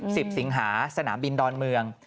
สิงหาสนามบินดอนเมือง